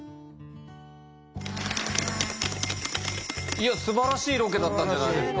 いやすばらしいロケだったんじゃないですか。